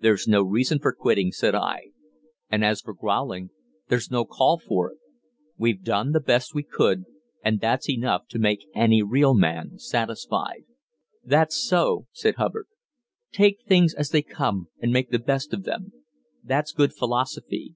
"There's no reason for quitting," said I. "And as for growling, there's no call for it. We've done the best we could, and that's enough to make any real man satisfied." "That's so," said Hubbard. "Take things as they come and make the best of them that's good philosophy.